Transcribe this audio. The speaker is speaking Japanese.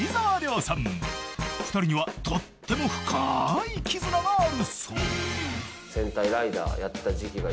［２人にはとっても深い絆があるそう］